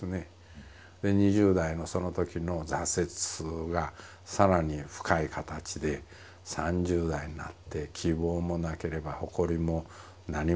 で２０代のそのときの挫折が更に深い形で３０代になって希望もなければ誇りも何もないと。